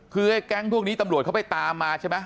คือไอ้แก๊งพวกนี้ตำรวจเขาไปตามมาใช่ไหม